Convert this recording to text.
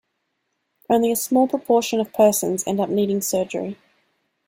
Only a small proportion of persons end up needing surgery.